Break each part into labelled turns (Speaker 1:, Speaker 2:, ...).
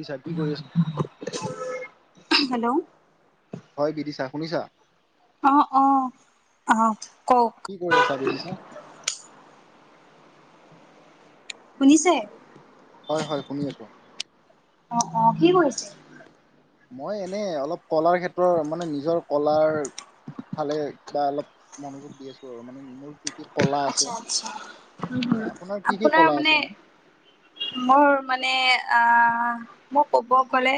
Speaker 1: দিছা কি কৰি আছা?
Speaker 2: হেল্ল
Speaker 1: হয় বিৰিছা শুনিছা?
Speaker 2: আহ আহ আহ কওক
Speaker 1: কি কৰি আছা বিদিছা?
Speaker 2: শুনিছে?
Speaker 1: হয় হয় শুনি আছো,
Speaker 2: অ অ কি কৰি হৈছে?
Speaker 1: মই এনে অলপ কলাৰ ক্ষেত্ৰৰ মানে নিজৰ কলাৰ ভালে বা অলপ মনোযোগ দি আছো আৰু মানে মোৰ কি কলা আছে
Speaker 2: আচ্ছা আচ্ছা হম
Speaker 1: হয় কি কি
Speaker 2: আপোনাৰ
Speaker 1: কলা
Speaker 2: মানে
Speaker 1: আছে এনে?
Speaker 2: মোৰ মানে আহ মই ক'ব গলে,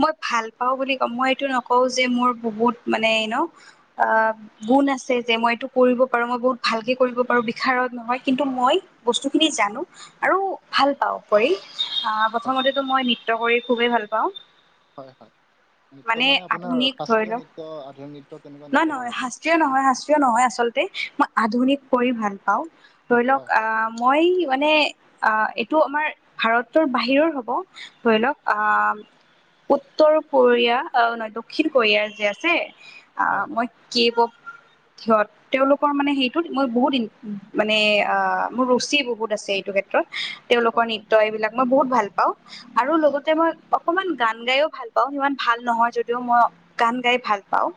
Speaker 2: মই ভাল পাও বুলি কওঁ মই এইটো নকওঁও যে মোৰ বহুত মানে ন অ ব সপোন আছে যে মই এইটো কৰিব পাৰো মই বহুত ভালকে। কৰিব পাৰোঁ বিষাৰদ নহয় কিন্তু মই বস্তুখিনি জানো আৰু ভাল পাওঁ তাৰ উপৰি। অ
Speaker 1: হয়
Speaker 2: প্ৰথমতেতো মই নৃত্য কৰি খুবেই ভাল পাওঁ।
Speaker 1: হয় হয়। নৃত্য
Speaker 2: মানে
Speaker 1: আপোনাৰ
Speaker 2: আধুনিক ধৰি
Speaker 1: শাস্ত্ৰীয় নৃত্য, আধুনিক নৃত্য কেনেকুৱা
Speaker 2: লওক নহয়
Speaker 1: নৃত্য কৰে
Speaker 2: নহয়
Speaker 1: আপুনি?
Speaker 2: শাস্ত্ৰীয় নহয় শাস্ত্ৰীয় নহয়্ত আচল মই আধুনিক কৰিঢ ভাল পাওঁ ধৰি
Speaker 1: হয়
Speaker 2: লওক
Speaker 1: হয়।
Speaker 2: মই মানে, আহ এইটো আমাৰ ভাৰতৰ বাহিৰৰ হ'ব ধৰি লওক আহ। উত্তৰ কোৰিয়া নহয় দক্ষিণ কোৰিয়াৰ যে আছে। অ
Speaker 1: হয় হয়
Speaker 2: মই কেব সহত তেওঁলোকৰ মানে সেইটো মই বহুত দ মানে মোৰ ৰুচি বহুত আছে এইটো ক্ষেত্ৰত। তেওঁলোকৰ
Speaker 1: হয় হয়
Speaker 2: নৃত্য এইবিলাক মই বহুত ভাল পাওঁ আৰু
Speaker 1: হয়
Speaker 2: লগতে মই অকমান গান গাইও ভাল পাওঁ সিমান ভাল নহয় যদিও মই গান গাই ভাল পাওঁ।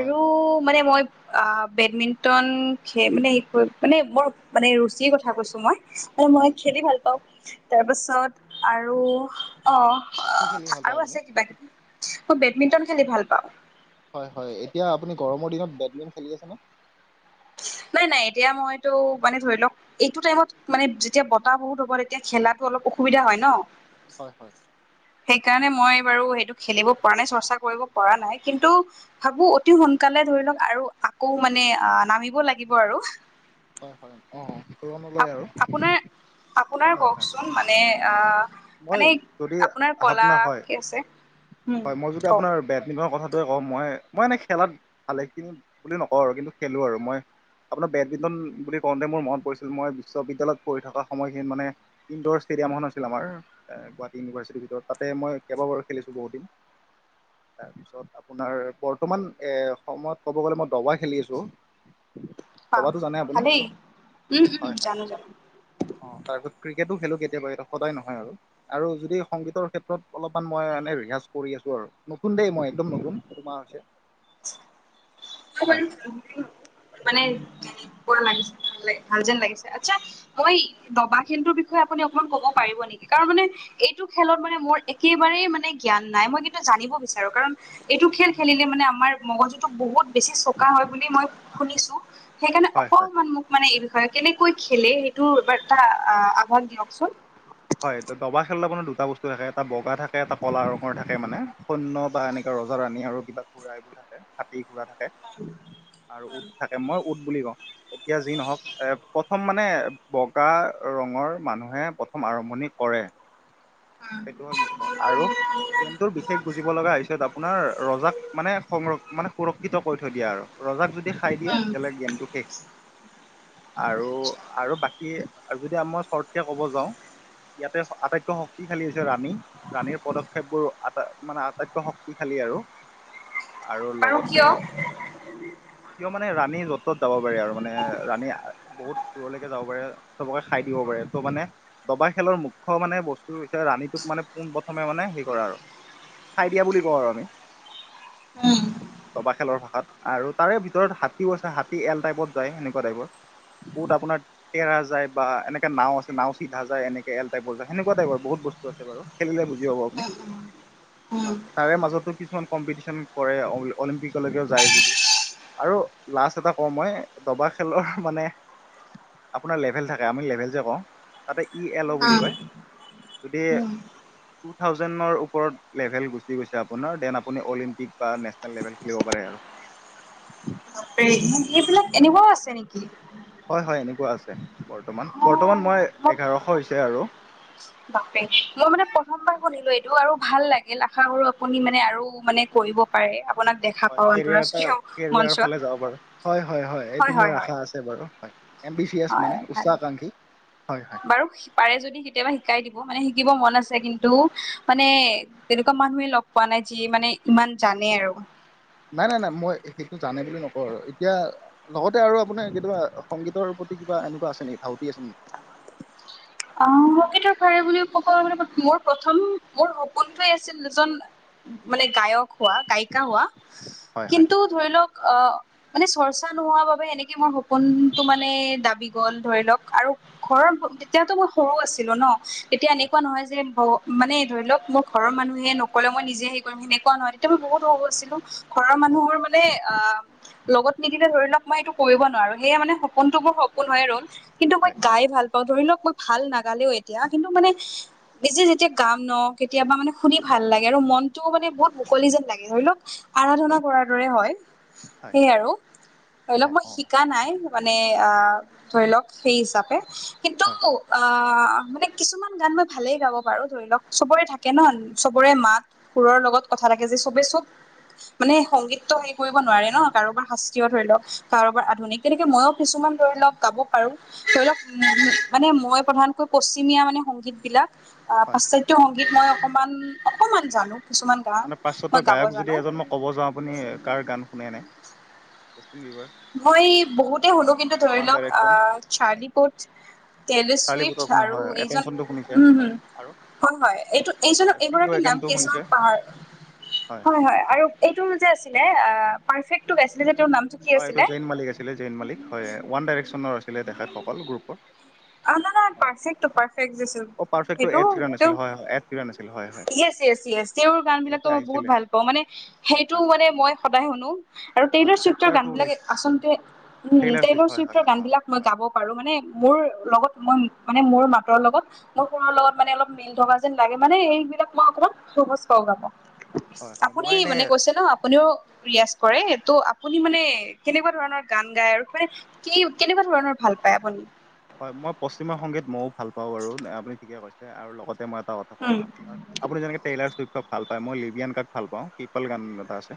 Speaker 1: হয় হয়
Speaker 2: মানে মই বেডমিন্টন মানে ক মানে মোৰ মানে ৰুচিৰ কথা কৈছো মই মানে মই
Speaker 1: হয়।
Speaker 2: খেলি ভাল পাওঁ। তাৰ পাছত আৰু অ আহ
Speaker 1: কি খেলি ভাল পায়
Speaker 2: আৰু
Speaker 1: আপুনি?
Speaker 2: আছে কিবা কিবি। মই বেডমিণ্টন খেলি ভাল পাওঁ।
Speaker 1: হয় হয় এতিয়া আপুনি গৰমৰ দিনত বেডমিণ্টন খেলি আছে ন
Speaker 2: নাই নাই এতিয়া মইতো মানে ধৰিলওক এইটো টাইমত মানে যেতিয়া বতাহ বহুত হ'ব তেতিয়া খেলাটো অলপ অসুবিধা হয় ন।
Speaker 1: হয় হয়।
Speaker 2: সেইকাৰণে মই বাৰু সেইটো খেলিব পৰা নাই চৰ্চা কৰিব পৰা নাই কিন্তু ভাবো অতি সোনকালে ধৰি ধৰিলওক আৰু আকৌ মানে আ নামিব লাগিব আৰু কুক
Speaker 1: হয় হয়, অঁ অ। তুলনালৈ
Speaker 2: আপ
Speaker 1: আৰু
Speaker 2: আপোনাৰ আপোনাৰ
Speaker 1: হয় হয়।
Speaker 2: কওকচোন মানে আ আ আ
Speaker 1: মই যদি আ আ হাফনাৰ হয়
Speaker 2: কি আছে উম
Speaker 1: হয় মই যদি
Speaker 2: কওক
Speaker 1: আপোনাৰ বেড-মিন ধৰক কথাটোৱে কওঁ মই মই এনে খেলাত ভালেখিনি বুলি নকওঁ আৰু কিন্তু খেলো আৰু মই আপোনাৰ বেডমিন্টন বুলি কওঁতে মোৰ মনত পৰিছিল মই বিশ্ববিদ্যালয়ত পঢ়ি থকা সময়খিনি মানে ইন্দো-ষ্টে ষ্টেডিয়াম এখন আছিল আমাৰ গুৱাহাটী ইউনিভাৰ্চিটিৰ ভিতৰত তাতে মই কেইবাবাৰো খেলিছো বহুত দিন। তাৰপিছত আপোনাৰ বৰ্তমান এ সময়ত ক'ব গ'লে মই দবা খেলি আছো।
Speaker 2: পা
Speaker 1: দবাতো জানে আপুনি?
Speaker 2: ভালেই উম
Speaker 1: হয়
Speaker 2: উম
Speaker 1: হয়,
Speaker 2: জানো জানো
Speaker 1: অ তাৰপিছত ক্ৰিক ক্ৰিকেটো খেলো কেতিয়াবা কেতিয়াবা সদায় নহয় আৰু আৰু যদি সংগীতৰ ক্ষেত্ৰত অলপমান মই এনে ৰিহাজ কৰি আছো আৰু নতুন দেই মই একদম নতুন এমাহ হৈছে।
Speaker 2: পি পি পি তই কিবা আনিছ পোৱা নাই অকমান লাগিছে। ভাল লাগে ভাল যেন লাগিছে আচ্ছা মই দবা খেলটোৰ বিষয়ে আপুনি অকমান কব পাৰিব নি শি শিখাৰ মানে এইটো খেলত মানে মোৰ একেবাৰেই মানে জ্ঞান নাই মই কিন্তু জানিব বিচাৰো কাৰণ এ এইটো খেল খেলিলে মানে আমাৰ মগজুতো বহুত বেছি চোকা হয় বুলি মই শুনিছো সেইকাৰণে
Speaker 1: হয় হয়
Speaker 2: অকমান মোক মানে এইটো হয়, কেনেকৈ খেলে সেইটো এবাৰ এটা আহ্বান দিয়কচোন।
Speaker 1: হয়, দ দবা খেলত আপোনাৰ দুটা বস্তু থাকে এটা বগা থাকে এটা কলা ৰঙৰ থাকে মানে সৈন্য বা এনেকা ৰজা-ৰাণী আৰু কিবা খুৰা এইবোৰ থাকে হাতী ঘোঁৰা থাকে আৰু উট থাকে মই উট বুলি কওঁ এতিয়া যি নহওক এ প্ৰথম মানে বগা ৰঙৰ মানুহে প্ৰথ আৰম্ভণি কৰে। সেইটো হ'ল মুখ্য আৰু গেমটোৰ বিশেষ বুজিব লগা আহিছে ত আপোনাৰ ৰজাক মানে সংৰক্ষ মানে সুৰক্ষিত কৰি থৈ দিয়া আৰু ৰজাক যদি খাই দিয়ে
Speaker 2: উম
Speaker 1: তেতিয়ালে গেমটো শেষ আৰু আৰু বাকী আৰু যদি আৰু মই চৰ্টকে ক'ব যাওঁ ইয়াতে অ আটাইতকৈ শক শক্তিশালী হৈছে ৰাণী ৰাণীৰ পদক্ষেপবোৰ আটা মানে আটাইতকৈ শক্তিশালী আৰু আৰু
Speaker 2: বাৰু
Speaker 1: লগতে
Speaker 2: কিয়
Speaker 1: কিয় মানে ৰাণী য'ত ত'ত যাব পাৰে আৰু মানে ৰাণী বহুত দূৰলৈকে যাব পাৰে চবকে খাই দিব কব ত মানে দবা খেলৰ মুখ্য মানে বস্তু হৈছে ৰাণীটোক মানে পোন প্ৰথমে মানে হেৰি কৰা আৰু খাই দিয়া বুলি কওঁ আৰু আমি
Speaker 2: উম হু
Speaker 1: দবা খেলৰ ভাষাত আৰু তাৰে ভিতৰত হাতীও আছে হাতী এল টাইপত যায় সেনেকুৱা টাইপৰ বহুত আপোনাৰ তেৰা যায় বা এনেকে নাও আছে নাও চিধা যায় এনেকে এল টাইপৰ যায় সেনেুকুৱা টাইপৰ বহুত বস্তু আছে বাৰু খেলিলে বুজি পাব আপুনি
Speaker 2: উম
Speaker 1: হয় তাৰে মাজতো কিছুমান কম্পিটিচন কৰে অল অলিম্পিকলৈকেও যায় যদি আৰু লাষ্ট এটা কওঁ মই দবা খেলৰ অহ মানে আপোনাৰ লেভেল থাকে আমি লেভেল যে কওঁ তাতে ই এল অ' বুলি কয়। যদি
Speaker 2: উম উ।
Speaker 1: টু থাউজেণ্ডৰ ওপৰত লেভেল গুচি গৈছে আপোনাৰ দেন আপুনি অলিম্পিক বা নেচনেল লেভেল খেলিব পাৰে আৰু ভু
Speaker 2: দি দিয়ক দেই এইবিলাক এনেকুৱাও আছে নেকি?
Speaker 1: হয় হয়, এনেকুৱা আছে বৰ্তমান
Speaker 2: অ
Speaker 1: বৰ্তমান মই এঘাৰশ হৈছে আৰু
Speaker 2: বাপৰে মই মানে প্ৰথমবাৰ শুনিলো এইটো আৰু ভাল লাগিল আশা কৰো আপুনি মানে আৰু মানে কৈ কৰিব পাৰে আপোনাক দেখা
Speaker 1: হয়
Speaker 2: পাও
Speaker 1: কেৰিয়াৰ এটা
Speaker 2: আন্তৰাষ্ট্ৰীয়
Speaker 1: কেৰিয়াৰৰ ফালে যাব পাৰো হয় হয়
Speaker 2: মঞ্চত
Speaker 1: এইটো
Speaker 2: হয়
Speaker 1: মোৰ
Speaker 2: হয়
Speaker 1: আশা
Speaker 2: হয়।
Speaker 1: আছে বাৰু হয় এম বি চি এছ
Speaker 2: হয়
Speaker 1: মানে
Speaker 2: ভাল
Speaker 1: উচ্চাকাংক্ষী হয় হয়
Speaker 2: বাৰু পাৰে যদি কেতিয়াবা শিকাই দিব মানে। শিকিব মন আছে কিন্তু মানে তেনেকুৱা মানুহে লগ পোৱা নাই যি মানে ইমান জানে আৰু।
Speaker 1: নাই নাই নাই মই সেইটো জানে বুলি নকওঁ আৰু এতিয়া লগতে আৰু আপোনাৰ কেতিয়াবা সংগীতৰ। কিবা এনেকুৱা আছে নেকি ধাউতি আছে নেকি
Speaker 2: অ কিন্তু থৰে বুলি ক'ব ম মোৰ প্ৰথম মোৰ সপোনটোৱে আছিল এজন মানে গায়ক হোৱা গায়িকা হোৱা
Speaker 1: হয় হয়
Speaker 2: কিন্তু ধৰি লওক অ মানে চৰ্চা নোহোৱা বাবে এনেকে মোৰ সপোনতটো মানে দাবি গল ধৰি লওক আৰু ঘৰৰ এতিয়াতো মই সৰু আছিলো ন তেতিয়া
Speaker 1: হয়
Speaker 2: এনেকুৱা নহয় যে ব মানে ধৰি লওক মোৰ ঘৰৰ মানুহে নকলে মই নিজে হেৰি কৰিম সেনেকোৱা নহয় তেতিয়া মই বহুত সৰু আছিলো ঘৰৰ
Speaker 1: হয়
Speaker 2: মানুহোৰ মানে আ লগত নিদিলে ধৰি লওক মই এইটো কৰিব নোৱাৰো সেয়ে মানে সপোনতো বোৰ সপোন হয় ৰল কিন্তু মই
Speaker 1: হয়
Speaker 2: গাই ভাল পাওঁ ধৰি লওক মই ভাল নাগালেও এতিয়া কিন্তু মানে বেছি যেতিয়া গাম ন কেতিয়াবা মানে শুনি ভাল লাগে আৰু মনতটো মানে বহুত মুকলি যেন লাগে ধৰি লওক আৰাধনা
Speaker 1: হয়
Speaker 2: কৰাৰ দৰে হয়
Speaker 1: হয়
Speaker 2: সেইয় আৰু ধৰি
Speaker 1: অ
Speaker 2: লওক মই
Speaker 1: অ
Speaker 2: শিকা নাই মানে আহ ধৰি লওক সেই হিচাপে কিন্তু
Speaker 1: হয়
Speaker 2: আ মানে কিছুমান গান মই ভালেই গাব পাৰো ধৰি লওক চবৰে থাকে ন চবৰে মাত সুৰৰ লগ লগত কথা যে চবে চব মানে সংগীতটো হেৰি কৰিব নোৱাৰে ন কাৰোবাৰ শাস্তিয় ধৰি লওক কাৰোবাৰ
Speaker 1: হয়
Speaker 2: আধুনিক তেনেকে মইো কিছুমান ধৰি লওক গাব পাৰো ধৰি লওক মানে মই প্ৰধানকৈ পশ্চিমীয়া মানে সংগীত বিলাক আহ
Speaker 1: হয়
Speaker 2: পাশ্চাত্য সংগীত গীত মই অকণমান অকণমান জানো। কিছুমান গান
Speaker 1: মানে
Speaker 2: মই
Speaker 1: পাশ্চতয়
Speaker 2: গাব
Speaker 1: গায়ক যদি
Speaker 2: জানো
Speaker 1: এজন মই ক'ব যাওঁ আপুনি কাৰ গান শুনেনে।
Speaker 2: মই বহুতে শুনো কিন্তু ধৰি
Speaker 1: ওৱান
Speaker 2: লওক আহ চাৰলিপত
Speaker 1: চাৰলিপত শুনা হয় এতেঞ্চনটো শুনিচে
Speaker 2: উম
Speaker 1: আৰু।
Speaker 2: হয় হয় এইটো এইজনক
Speaker 1: চিক
Speaker 2: এইগৰাকী নাম
Speaker 1: ৱেগেনটো
Speaker 2: কি আছিল
Speaker 1: শুনিছে
Speaker 2: মই পাহ। হয় হয় আৰু এইটো যে আছিলে পাৰফ্ৰক গাইছিলে তেওঁ নাম।
Speaker 1: হয় এইটো জৈন মালিক আছিলে জৈন মালিক হয় ওৱান ডাইৰেকশ্যনৰ আছিলে দেখাত সকল গ্ৰুপৰ।
Speaker 2: আমাৰ পাৰফ্ৰটো পাৰফক্টটো পাৰফেক্ দি
Speaker 1: অ পাৰফেক্টটো
Speaker 2: সেইটো।
Speaker 1: এড চিৰাণ আছিল হয় হয় এড চিৰাণ আছিল হয় হয়
Speaker 2: এচ য়েছ তেওঁৰ
Speaker 1: অ
Speaker 2: গান বিলাকো
Speaker 1: ইয়াতে
Speaker 2: মই বহুত
Speaker 1: আহিছিলে
Speaker 2: ভাল পাওঁ মানে সেইটো
Speaker 1: হয়।
Speaker 2: মানে মই সদায় শুনো আৰু তেই।
Speaker 1: হয়
Speaker 2: গান
Speaker 1: চেপ্টাৰটো
Speaker 2: বিলাক
Speaker 1: ওলাইছে
Speaker 2: আচলতে উম
Speaker 1: টেইলাৰ চুইফ্ট
Speaker 2: তেলৰ
Speaker 1: হয় হয়
Speaker 2: চইতৰ
Speaker 1: অ
Speaker 2: গান বিলাক মই
Speaker 1: হয়
Speaker 2: গাব পাৰো মানে মোৰ। লগত মই মানে মোৰ মাতৰ লগত মোৰ সুৰৰ লগত মানে অলপ মিল থকা যেন লাগে মানে এইবিলাক মই সহজ পাৱ গাব
Speaker 1: হয় হয়
Speaker 2: আপুনি
Speaker 1: মই এনে
Speaker 2: মানে কৈছে ন আপুনিও। ৰিয়াজ কৰে ত' আপুনি মানে কেনেকুৱা ধৰণৰ গান গায় আৰু মানে কি কেনেকুৱা ধৰণৰ ভাব ভাল পায় আপুনি।
Speaker 1: হয় মই পশ্চিম সংগীত মইয়ও ভাল পাওঁ বাৰু আপুনি ঠিকে কৈছে আৰু লগতে মই এটা কথা
Speaker 2: উম
Speaker 1: আও শুনা আপুনি যেনেকে ট্ৰিলাৰ্ষ ভাল পায় মই লিবিয়ান গাক ভাল পাওঁ পিপল গান এটা আছে।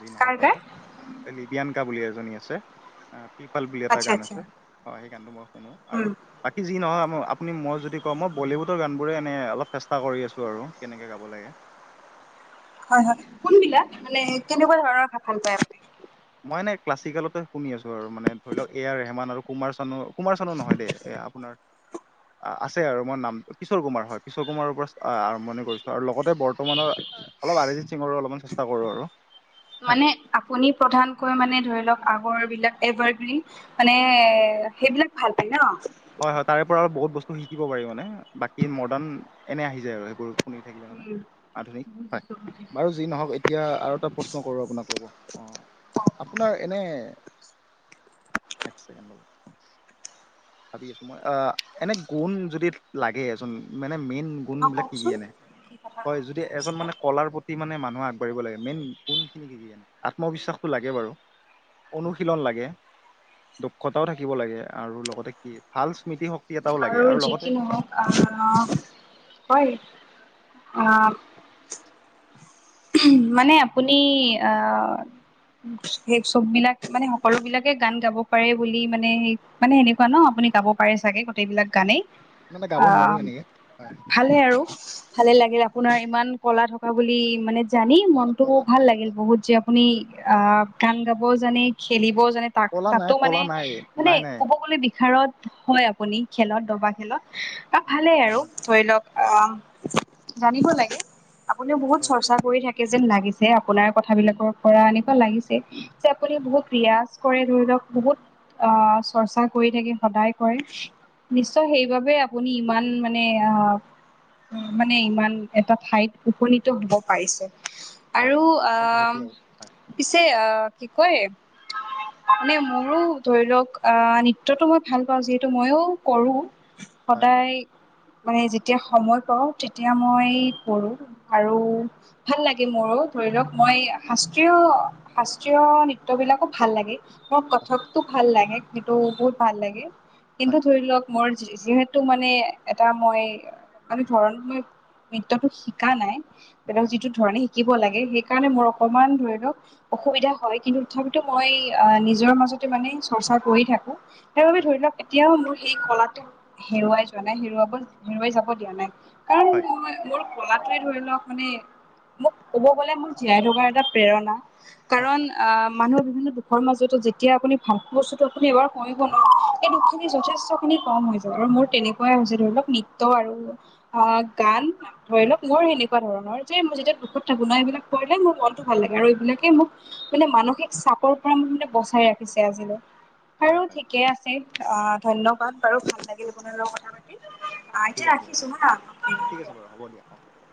Speaker 1: যি নহওক
Speaker 2: কাৰ কাৰ
Speaker 1: বাৰু লিবিয়ানকা বুলি এজনী আছে আহ। পিপাল বুলি এটা
Speaker 2: আচ্ছা
Speaker 1: গান
Speaker 2: আচ্ছা
Speaker 1: আছে হয় সেই গানটো মই শুনো আৰু
Speaker 2: উম,
Speaker 1: বাকী যি- নহয় আপুনি মই যদি কওঁ মই বলিউডৰ গান বোৰে এনে অলপ চেষ্টা কৰি আছো আৰু কেনেকে গাব লাগে। [unintelligible]
Speaker 2: হয় হয় কোনবিলাক
Speaker 1: হয়
Speaker 2: মানে কেনেকুৱা ধৰণৰ ভাষখন পায় আপুনি।
Speaker 1: মই এনে ক্লাছিকেলতে শুনি আছো আৰু মানে ধৰি লওক এ আৰ ৰেহমান আৰু কুমাৰ চানো কুমাৰ চান নহয় দেই এ আপোনাৰ আ আৰু মই নাম কিশোৰ কুমাৰ হয় কিশোৰ কুমাৰৰ পৰা আৰম্ভণি কৰিছো আৰু লগতে বৰ্তমানৰ অলপ আৰি সিঙো অলপমান চেষ্টা কৰো আৰু। হয়
Speaker 2: মানে আপুনি প্ৰধান। পুৰা মানে ধৰি লওক আগৰ বিলাক এভাৰগ্ৰীন মানে সেইবিলাক ভাল পায় ন
Speaker 1: হয় হয় তাৰে পৰা আৰু বহুত বস্তু শিকিব পাৰি মানে বাকী মডাৰ্ণ এনে আহি যায় আৰু সেইবোৰ শুনি থাকিলে মানে
Speaker 2: উম,
Speaker 1: আধুনিক হয়
Speaker 2: বুজিছো বুজিছো।
Speaker 1: বাৰু যি নহওক এতিয়া আৰু এটা প্ৰশ্ন কৰো আপোনাক ল'ব অ আপোনাৰ এনে এক ছেকেণ্ড ৰব ভাবি আছো মই অ এনে গুণ যদি লাগে এজন মান। মেইন গুণ
Speaker 2: অ
Speaker 1: বিলাক কি কি
Speaker 2: কওকচোন
Speaker 1: আনে
Speaker 2: কি কথা কম
Speaker 1: হয় যদি
Speaker 2: বুলি
Speaker 1: এজন
Speaker 2: কৈছিলে?
Speaker 1: মানে কলাৰ প্ৰতি মানে মান আগবাঢ়িব লাগে মেইন কোন খিনি দিগি আত্মবিশ্বাসটো লাগে বাৰু। অনুশীলন লাগে দক্ষতাও থাকিব লাগে আৰু লগতে কি ভাল স্মৃতিশক্ত।
Speaker 2: আৰু যি কি নহওক আহ হয় অ মানে আপুনি আহ সেই চববিলাক মানে সকলো বিলাকে গান গাব পাৰে বুলি মানে সেই মানে সেনেকুৱা ন আপুনি। গাব পাৰে চাগে গোটেইবিলাক গানেই
Speaker 1: মানে গাব নোৱাৰো
Speaker 2: আহ
Speaker 1: এনেকে
Speaker 2: ভালে আৰু। ভালে লাগিল আপোনাৰ ইমান কলা থকা বুলি মানে জানি
Speaker 1: নাই নাই
Speaker 2: মনতটো
Speaker 1: কলা
Speaker 2: ভাল
Speaker 1: নাই
Speaker 2: লাগিল
Speaker 1: এনেকুৱা
Speaker 2: বহুত যে আপুনি আহ গান গাব জানে খেলিব জানে তাক
Speaker 1: কলা
Speaker 2: তাতো
Speaker 1: নাই
Speaker 2: মানে
Speaker 1: কলা নাই
Speaker 2: মানে
Speaker 1: নাই নাই
Speaker 2: কব গলে শত হয় আপুনি খেলত দবা খেলত ভালেই আৰু
Speaker 1: নহয়
Speaker 2: ধৰি লওক অ জানিব লাগে আপুনি বহুত
Speaker 1: হয়
Speaker 2: চৰ্চা কৰি থাকে যেন লাগিছে আপোনাৰ কথ বিলাকৰ পৰা এনেকুৱা লাগিছে যে আপুনি বহুত ৰিয়জ কৰে। বহুত আহ চৰ্চা কৰি থাকে সদায় কৰে। নিশ্চয় সেইবাবে আপুনি ইমান মানে আহ। অ মানে ইমান এটা ঠাইত উপনীত হব। পাৰিছো
Speaker 1: হয়
Speaker 2: আৰু
Speaker 1: হয়,
Speaker 2: আহ
Speaker 1: অনুভূতি আৰু হয়
Speaker 2: পিছে আহ কি কয় মানে মোৰো ধৰি লওক আহ নৃত্যটো মই ভাল পাওঁ যিহেতু মইও কৰো।
Speaker 1: হয় হয়
Speaker 2: সদায় মানে যেতিয়া সময় পাওঁ তেতিয়া মই কৰোঁ আৰু ভাল লাগে মোৰো ধৰি লওক মই শাস্ত্ৰীয় শাস্ত্ৰীয় নৃত্য বিলাকো ভাল লাগে মোৰ কথকটো ভাল লাগে সেইটো বহুত ভাল লাগে
Speaker 1: হয়
Speaker 2: কিন্তু ধৰি লওক মোৰ যিহেতু মানে এটা মই মানে ধৰণ মই নৃত্যতো শিকা নাই
Speaker 1: হয়
Speaker 2: যিটো ধৰণে শিকিব লাগে সেইকাৰণে মই অকণমান ধৰি লক অসুবিধা হয় কিন্তু তথাপিও মই নিজৰ মই যদি মানে চৰ্চা কৰি থাকো সেইবাবে
Speaker 1: হয়
Speaker 2: ধৰি লওক এতিয়াও মোৰ সেই কলাটোক হেৰুৱাই যোৱা নাই হেৰুৱাব হেৰুৱাই যাব দিয়া নাই কাৰণ
Speaker 1: হয়
Speaker 2: মোৰ মোৰ কলটোৱে ধৰি লওক মানে মোক ক'ব গলে মোৰ জীয়াই থকাৰ এটা প্ৰেৰণা
Speaker 1: হয়
Speaker 2: কাৰণ
Speaker 1: হয়
Speaker 2: আহ মানুহ বিভিন্ন দুখৰ মাজতো যেতিয়া আপুনি ভাল বস্তুত আপুনিবাৰ কমিব নোৱাৰো সেই দুখিনি
Speaker 1: হয়
Speaker 2: যথেষ্ট খিনি কম হৈ যাব আৰু মোৰ তেনেকুৱাই হৈছে ধৰি লওক নৃত্যয় আৰু অ গান ধৰি লওক মোৰ সেনে তেনেকুৱা ধৰণৰ যে মই যেতিয়া দুখত থাকো ন এইবিলাক কৰিলে মোৰ মনতটো ভাল লাগে আৰু এইবিলাকে মোক মানে মানসিক চাপ চাপৰ পৰা মানে বচাই ৰাখিছে আজিলৈ
Speaker 1: হয়
Speaker 2: আৰু
Speaker 1: হয়
Speaker 2: ঠিকে আছে আহ ধন্যবাদ বাৰু ভাল লাগিল আপোন লগৰ কথা পাতি আহ
Speaker 1: ঠিক
Speaker 2: এতিয়া
Speaker 1: আছে বাৰু
Speaker 2: ৰাখিছো
Speaker 1: ঠিক
Speaker 2: হা।
Speaker 1: আছে বাৰু হ'ব দিয়া অক দ